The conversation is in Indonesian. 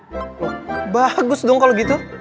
wah bagus dong kalau gitu